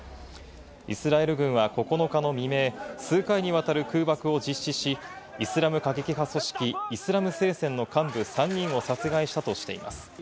イスラエル軍は９日の未明、数回にわたる空爆を実施し、イスラム過激派組織・イスラム聖戦の幹部３人を殺害したとしています。